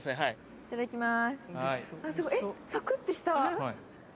いただきます。